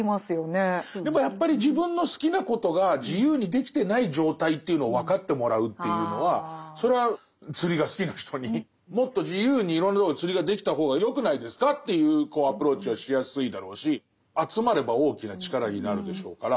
でもやっぱり自分の好きなことが自由にできてない状態というのを分かってもらうというのはそれは釣りが好きな人にもっと自由にいろんなとこで釣りができた方がよくないですかというアプローチはしやすいだろうし集まれば大きな力になるでしょうから。